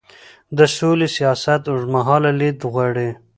د سولې سیاست اوږدمهاله لید غواړي